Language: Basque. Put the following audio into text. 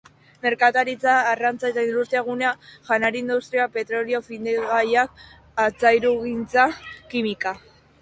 Merkataritza-, arrantza- eta industria-gunea: janari-industria, petrolio-findegiak, altzairugintza, kimika-industria.